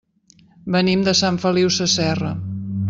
Venim de Sant Feliu Sasserra.